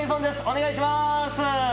お願いします。